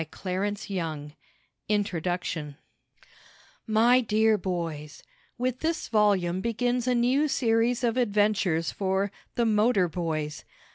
THE WINNING GAME 240 INTRODUCTION MY DEAR BOYS: With this volume begins a new series of adventures for the "Motor Boys."